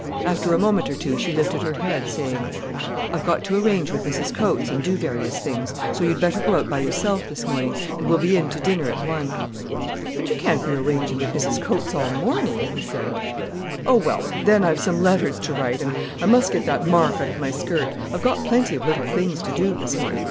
After a moment or two she lifted her head, saying: "I've got to arrange with Mrs Coates, and do various things. So you'd better go out by yourself this morning—and we'll be in to dinner at one." "But you can't be arranging with Mrs Coates all morning," he said. "Oh, well—then I've some letters to write, and I must get that mark out of my skirt. I've got plenty of little things to do this morning.